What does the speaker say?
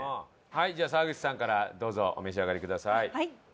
はいじゃあ沢口さんからどうぞお召し上がりください。